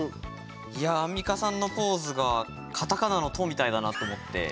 いやアンミカさんのポーズがカタカナの「ト」みたいだなと思って。